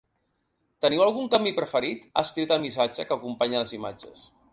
“Teniu algun camí preferit?”, ha escrit al missatge que acompanya les imatges.